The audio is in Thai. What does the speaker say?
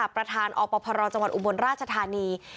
ประธานอพรจังหวัดอุบลราชธานี